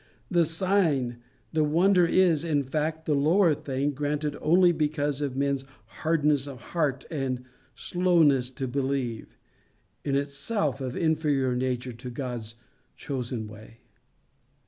The sign, the wonder is, in fact, the lower thing, granted only because of men's hardness of heart and slowness to believe in itself of inferior nature to God's chosen way.